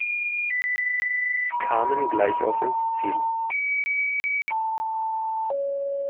Sie kamen gleichauf ins Ziel.